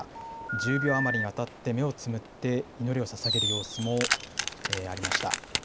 １０秒余りにわたって目をつむって、祈りをささげる様子もありました。